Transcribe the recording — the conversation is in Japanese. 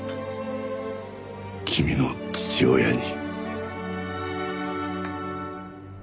君の父親に。